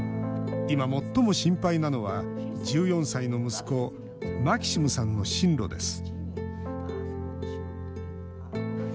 今、最も心配なのは１４歳の息子マキシムさんの進路です